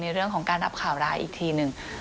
เรื่องของการรับข่าวร้ายอีกทีหนึ่ง